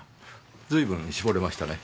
随分絞れましたね。